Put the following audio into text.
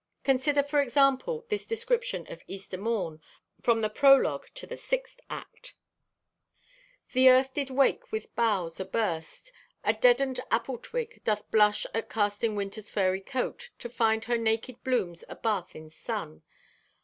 Consider, for example, this description of Easter morn, from the prologue to the sixth act: The earth did wake with boughs aburst. A deadened apple twig doth blush at casting Winter's furry coat, to find her naked blooms abath in sun.